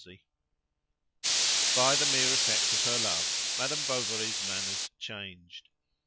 Off handedly. By the mere effect of her love Madame Bovary's manners changed.